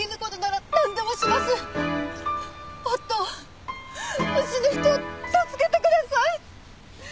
夫をうちの人を助けてください！